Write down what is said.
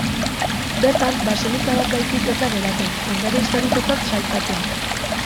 Bertan, baseliza bat baizik ez da geratzen, ondare historikotzat sailkatua.